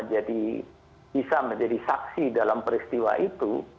dan jadi bisa menjadi saksi dalam peristiwa itu